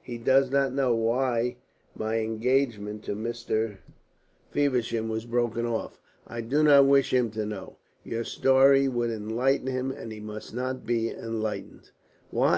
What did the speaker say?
"He does not know why my engagement to Mr. Feversham was broken off. I do not wish him to know. Your story would enlighten him, and he must not be enlightened." "Why?"